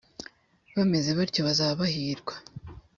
bameze batyo bazaba bahirwa